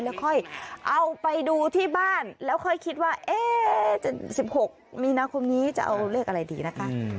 แล้วค่อยเอาไปดูที่บ้านแล้วค่อยคิดว่า๑๖มีนาคมนี้จะเอาเลขอะไรดีนะคะ